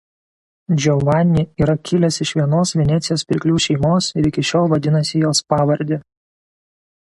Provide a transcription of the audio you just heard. Giovanni yra kilęs iš vienos Venecijos pirklių šeimos ir iki šiol vadinasi jos pavarde.